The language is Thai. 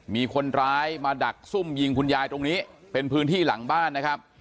มีคนร้ายมาดักซุ่มยิงคุณยายตรงนี้เป็นพื้นที่หลังบ้านนะครับ